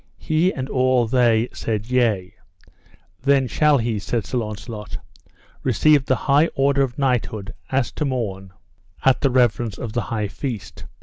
He and all they said yea. Then shall he, said Sir Launcelot, receive the high order of knighthood as to morn at the reverence of the high feast.